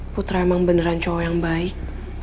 putra emang beneran cowok yang baik